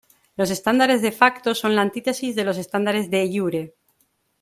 Los estándares "de facto" son la antítesis de los estándares "de iure".